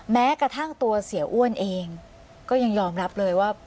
แม้กระทั่งตัวเสียอ้วนเองก็ยังยอมรับเลยว่า